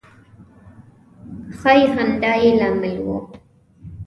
ښایي همدا به یې لامل و.